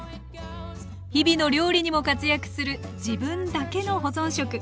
日々の料理にも活躍する自分だけの保存食。